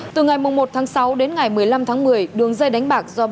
từ ngày một sáu đến ngày một mươi năm một mươi đường dây đánh bạc do bảo